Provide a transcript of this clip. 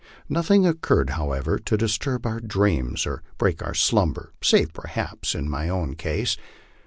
Nothing occurred, how ever, to disturb our dreams or break our slumber, save, perhaps, in my own case.